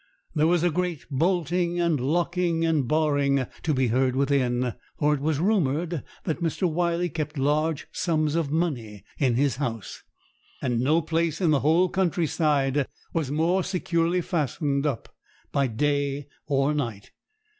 There was a great bolting and locking and barring to be heard within, for it was rumoured that Mr. Wyley kept large sums of money in his house, and no place in the whole country side was more securely fastened up by day or night.